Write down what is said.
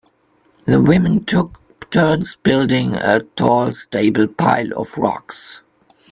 The women took turns building a tall stable pile of rocks.